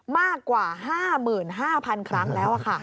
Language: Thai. มากกว่า๕๕๐๐๐ครั้งแล้วค่ะ